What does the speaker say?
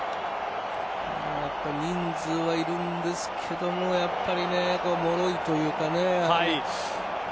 やっぱり人数はいるんですけどもやっぱり、もろいというかね。